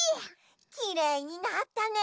きれいになったね！